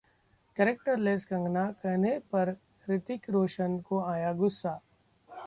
'characterless Kangana' कहने पर रितिक रोशन को आया गुस्सा